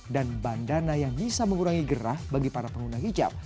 dan bandana yang bisa mengurangi gerah bagi para pengguna hijab